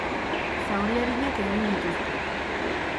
Zauri arinak egin dituzte.